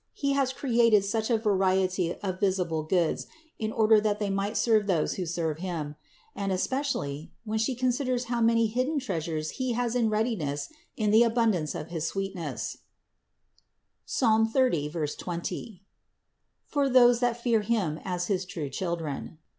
He has created such a variety of visible goods in order that they might serve those who serve Him; and especially, when she considers how many hidden treasures He has in readi ness in the abundance of his sweetness (Ps. 30, 20) for those that fear Him as his true children.